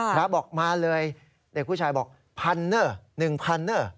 พระบอกมาเลยเด็กผู้ชายบอกพันเนอร์๑๐๐เนอร์